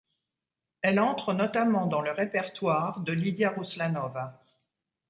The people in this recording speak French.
Elle entre notamment dans le répertoire de Lidia Rouslanova.